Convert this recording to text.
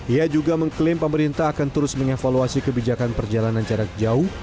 ia juga mengklaim pemerintah akan terus mengevaluasi kebijakan perjalanan jarak jauh